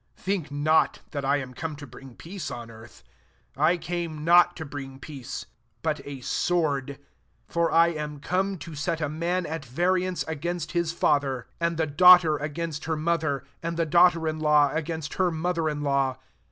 34 "Think not that I m come to bring peace on ear^ : I came, not to bring peace, biit a sword. 35 For I am come to set a man at variance i^aiost bis MATTHEW XI. 39 father, and the daughter against her mother, and the daughter io Iaw against her mother in law.